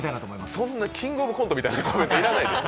そんな「キングオブコント」みたいなコメント要らないです。